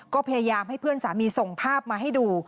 ก็พยายามให้เพื่อนสามีส่งภาพมาให้ดู